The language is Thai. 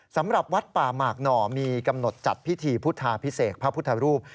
สำหรับวัดป่าหมากหน่อมีกำหนดจัดพิธีพุทธาพิเศษพระพุทธรูป